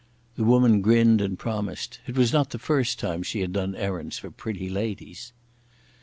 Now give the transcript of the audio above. The woman grinned and promised. It was not the first time she had done errands for pretty ladies.